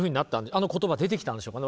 あの言葉出てきたんでしょうかね。